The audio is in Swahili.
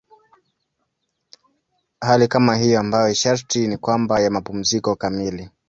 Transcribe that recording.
Hali kama hiyo ambayo sharti ni kwamba ya mapumziko kamili.